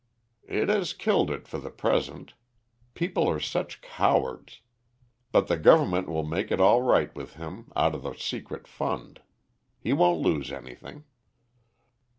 "It has killed it for the present. People are such cowards. But the Government will make it all right with him out of the secret fund. He won't lose anything."